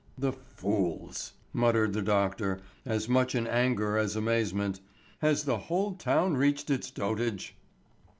"The fools!" muttered the doctor, as much in anger as amazement; "has the whole town reached its dotage?"